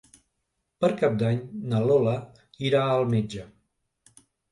Per Cap d'Any na Lola irà al metge.